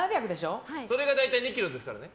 それが大体２ｋｇですからね。